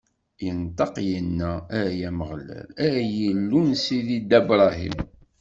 Inṭeq, inna: Ay Ameɣlal, ay Illu n sidi Dda Bṛahim!